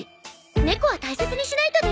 猫は大切にしないとね。